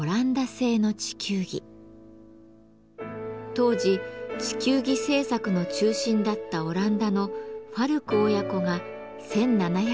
当時地球儀制作の中心だったオランダのファルク親子が１７００年に作ったものです。